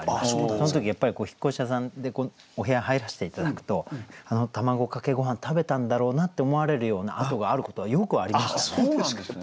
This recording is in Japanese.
その時やっぱり引越し屋さんでお部屋入らせて頂くと卵かけごはん食べたんだろうなって思われるような跡があることはよくありましたね。